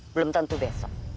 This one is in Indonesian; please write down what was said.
belum tentu besok